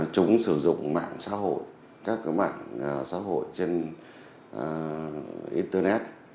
chúng sử dụng mạng xã hội các mạng xã hội trên internet